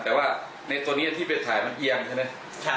แต่ว่าในตัวนี้ที่ไปถ่ายมันเอียงใช่ไหม